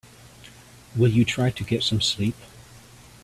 Will you try to get some sleep?